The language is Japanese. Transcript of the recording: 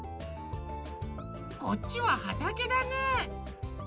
こっちははたけだね。